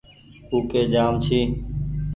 ڪوُڪي جآم ڇي ۔